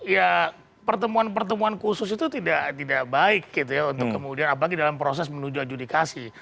ya pertemuan pertemuan khusus itu tidak baik gitu ya untuk kemudian apalagi dalam proses menuju adjudikasi